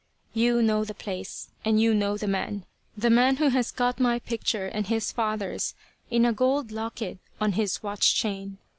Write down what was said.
You know the place, and you know the man; the man who has got my picture and his father's in a gold locket on his watch chain.